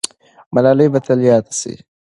ملاله به تل یاده سي.